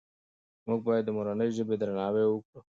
موږ باید د مورنۍ ژبې درناوی وکړو.